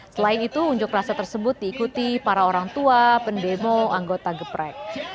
selain itu unjuk rasa tersebut diikuti para orang tua pendemo anggota geprek